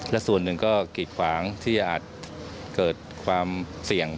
และส่วนหนึ่งก็กิดขวางที่จะอาจเกิดความเสี่ยง